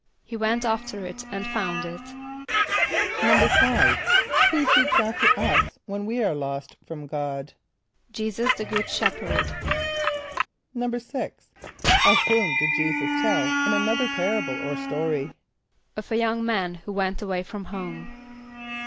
=He went after it and found it.= =5.= Who seeks after us when we are lost from God? =J[=e]´[s+]us the good shepherd.= =6.= Of whom did J[=e]´[s+]us tell in another parable or story? =Of a young man who went away from home.